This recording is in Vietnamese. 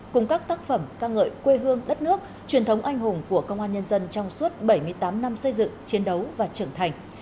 chuyên thống anh hùng của công an nhân dân trong suốt bảy mươi tám năm xây dựng chiến đấu và trưởng thành